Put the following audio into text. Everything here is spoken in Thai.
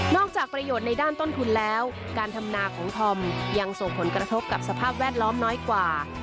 จากประโยชน์ในด้านต้นทุนแล้วการทำนาของธอมยังส่งผลกระทบกับสภาพแวดล้อมน้อยกว่า